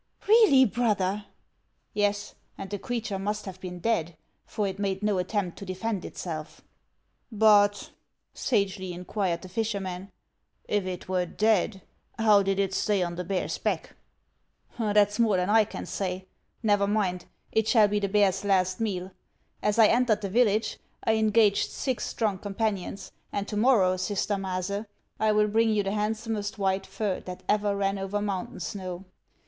" Really, brother ?"" Yes ; aud the creature must have been dead, for it made no attempt to defend itself." 312 HANS OF ICELAND. "But," sagely inquired the fisherman, "if it were dead, how did it stay on the bear's back ?"" That 's more than I can say. Never mind ; it shall be the bear's last meal. As 1 entered the village I engaged six strong companions, and to morrow, sister Maase, I will bring you the handsomest white fur that ever ran over mountain snow."